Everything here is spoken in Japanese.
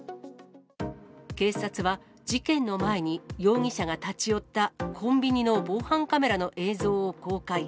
警察は、事件の前に容疑者が立ち寄ったコンビニの防犯カメラの映像を公開。